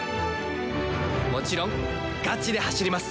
もちろんガチで走ります。